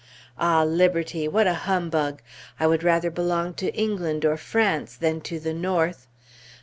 Ah! Liberty! what a humbug! I would rather belong to England or France, than to the North!